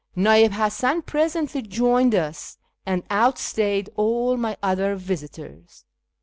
Na'ib Hasan presently joined us, and outstayed all my other visitors.